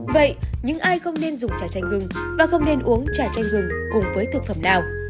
vậy nhưng ai không nên dùng chà chanh gừng và không nên uống chà chanh gừng cùng với thực phẩm nào